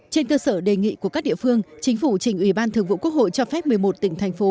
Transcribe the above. trên cơ sở đề nghị của các địa phương chính phủ trình ủy ban thường vụ quốc hội cho phép một mươi một tỉnh thành phố